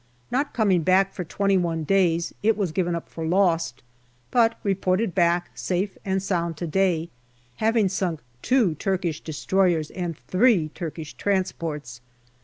Not coming back for twenty one days, it was given up for lost, but reported back safe and sound to day, having sunk two Turkish destroyers and three Turkish transports.